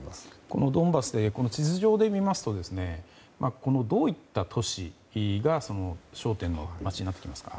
このドンバス地図上で見ますとどういった都市が焦点の街になってきますか？